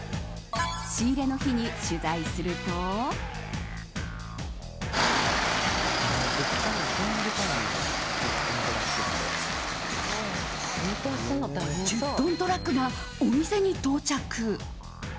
仕入れの日に取材すると１０トントラックがお店に到着。